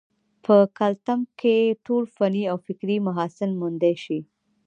پۀ کلتم کښې ټول فني او فکري محاسن موندے شي